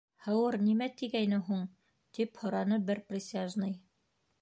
—Һыуыр нимә тигәйне һуң? —тип һораны бер присяжный.